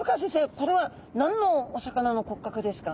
これは何のお魚の骨格ですか？